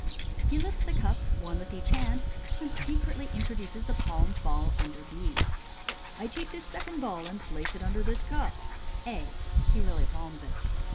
He lifts the cups one with each hand, and secretly introduces the palmed ball under B. " I take this second ball, and place it under this cup " (A). He really palms it.